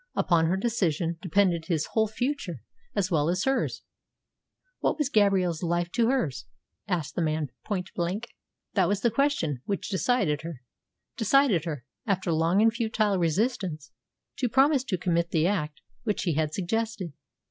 Upon her decision depended his whole future as well as hers. What was Gabrielle's life to hers, asked the man point blank. That was the question which decided her decided her, after long and futile resistance, to promise to commit the act which he had suggested.